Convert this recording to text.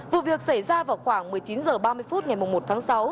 vụ việc xảy ra vào khoảng một mươi chín h ba mươi phút ngày một tháng sáu